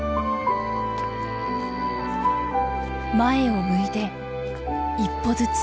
前を向いて一歩ずつ。